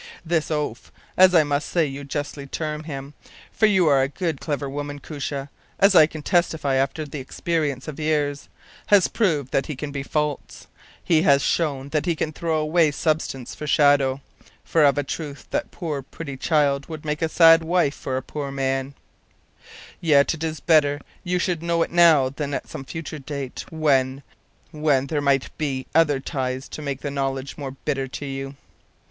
“This oaf as I must say you justly term him, for you are a good clever woman, Koosje, as I can testify after the experience of years has proved that he can be false; he has shown that he can throw away substance for shadow (for, of a truth, that poor, pretty child would make a sad wife for a poor man); yet it is better you should know it now than at some future date, when when there might be other ties to make the knowledge more bitter to you.